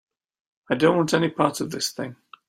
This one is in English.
I don't want any part of this thing.